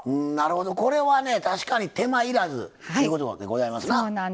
これはね、確かに手間いらずということでございますな。